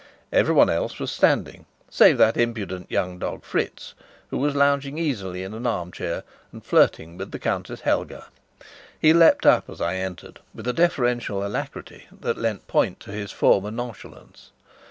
Everyone else was standing, save that impudent young dog Fritz, who was lounging easily in an armchair, and flirting with the Countess Helga. He leapt up as I entered, with a deferential alacrity that lent point to his former nonchalance.